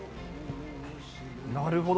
なるほど。